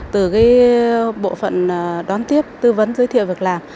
từ bộ phận đón tiếp tư vấn giới thiệu việc làm